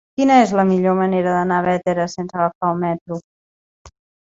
Quina és la millor manera d'anar a Bétera sense agafar el metro?